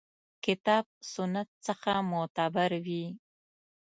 کتاب سنت څخه معتبر وي.